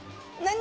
何？